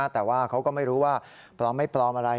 แต่ว่าเขาก็ไม่รู้ว่าปลอมไม่ปลอมอะไร